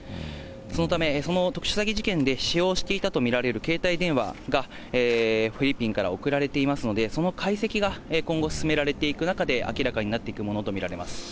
そのため、その特殊詐欺事件で使用していたと見られる携帯電話がフィリピンから送られていますので、その解析が今後、進められていく中で、明らかになっていくものと見られます。